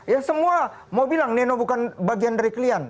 ya semua mau bilang neno bukan bagian dari klien